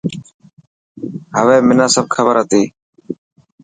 هوي منا سب کبر هتي.